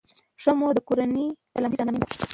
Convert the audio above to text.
ښه مور د کورنۍ سلامتۍ ضامن ده.